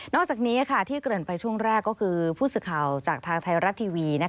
อกจากนี้ที่เกริ่นไปช่วงแรกก็คือผู้สื่อข่าวจากทางไทยรัฐทีวี